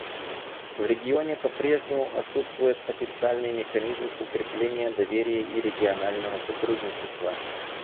В регионе по-прежнему отсутствует официальный механизм укрепления доверия и регионального сотрудничества.